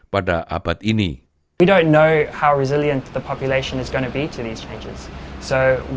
beberapa ilmuwan memperkirakan bahwa kerel di antarabangsa ini tidak akan berubah dengan kerel di selatan